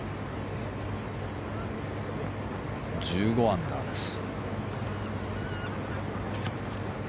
１５アンダーです。